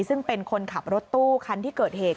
ซึ่งเป็นคนขับรถตู้คันที่เกิดเหตุ